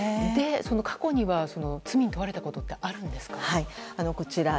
過去には、罪に問われたことってあるんですか？